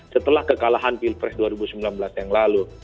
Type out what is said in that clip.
setelah kekalahan pilpres dua ribu sembilan belas yang lalu